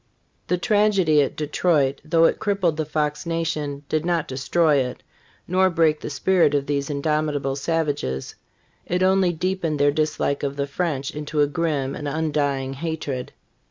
The tragedy at Detroit,^: though it crippled the Fox nation, did not de stroy it, nor break the spirit of these indomitable savages; it only deepened their dislike of the French into a grim and undying hatred.